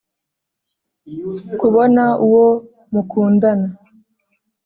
kubona uwo mukundana.